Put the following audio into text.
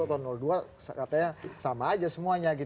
katanya sama aja semuanya